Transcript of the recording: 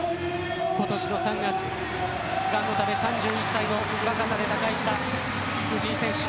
今年の３月がんのため、３１歳の若さで他界した藤井選手。